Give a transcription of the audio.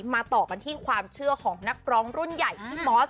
ต่อกันที่ความเชื่อของนักร้องรุ่นใหญ่พี่มอส